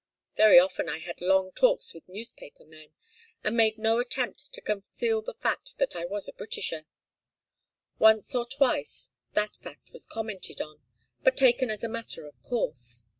Very often I had long talks with newspaper men, and made no attempt to conceal the fact that I was a Britisher. Once or twice that fact was commented on, but taken as a matter of course.